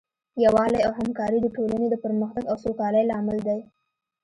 یووالی او همکاري د ټولنې د پرمختګ او سوکالۍ لامل دی.